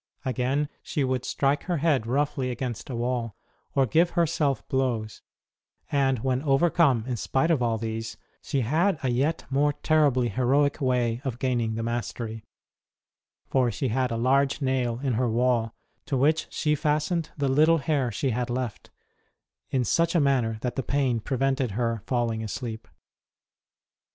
Again, she would strike her head roughly against a wall, or give herself blows ; and when overcome in spite of all these, she had a yet more terribly heroic way of gaining the mastery, for she had a large nail in her wall, to which she fastened the little hair she had left, in such a manner that the pain prevented her falling asleep.